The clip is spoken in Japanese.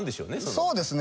そうですね。